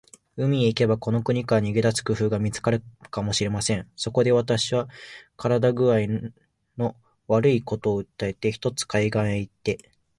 海へ行けば、この国から逃げ出す工夫が見つかるかもしれません。そこで、私は身体工合の悪いことを訴えて、ひとつ海岸へ行って